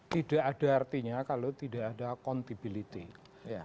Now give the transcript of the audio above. tidak ada artinya kalau tidak ada accountability